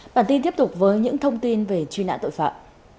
bản tin tiếp tục với những thông tin về truy nã tội phạm